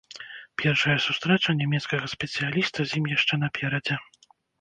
Першая сустрэча нямецкага спецыяліста з ім яшчэ наперадзе.